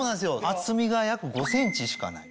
厚みが約５ｃｍしかない。